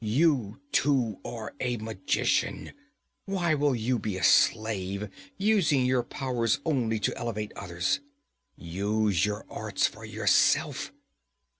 'You too are a magician! Why will you be a slave, using your powers only to elevate others? Use your arts for yourself!'